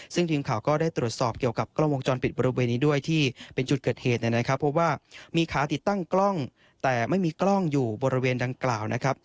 ซึ่งทีมข่าวก็ได้ตรวจสอบเกี่ยวกับกล้องวงจรปิดบริเวณนี้ด้วยที่เป็นจุดเกิดเหตุนะครับเพราะว่ามีขาติดตั้งกล้องแต่ไม่มีกล้องอยู่บริเวณดังกล่าวนะครับ